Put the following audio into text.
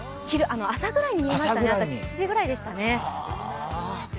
朝ぐらいに見えましたね、朝７時ぐらいでした。